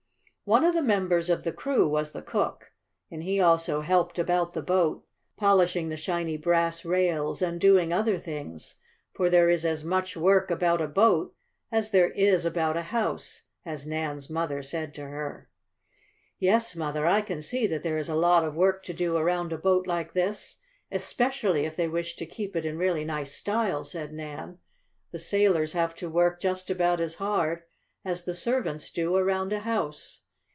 One of the members of the crew was the cook, and he also helped about the boat, polishing the shiny brass rails, and doing other things, for there is as much work about a boat as there is about a house, as Nan's mother said to her. "Yes, Mother, I can see that there is a lot of work to do around a boat like this, especially if they wish to keep it in really nice style," said Nan. "The sailors have to work just about as hard as the servants do around a house."